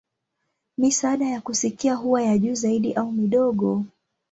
Misaada ya kusikia huwa ya juu zaidi au midogo.